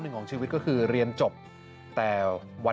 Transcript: แต่น้องไม่คิดว่าคนอื่นเขาเนอะ